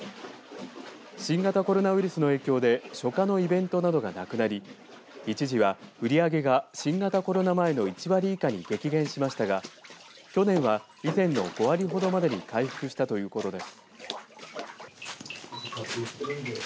新型コロナウイルスの影響で書家のイベントなどがなくなり一時は売り上げが新型コロナ前の１割以下に激減しましたが去年は以前の５割ほどまでに回復したということです。